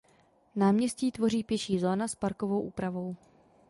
Náměstí tvoří pěší zóna s parkovou úpravou.